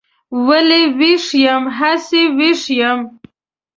ولې ویښ یم؟ هسې ویښ یم.